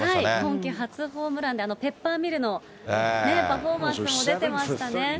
今季初ホームランで、ペッパーミルのパフォーマンスも出てま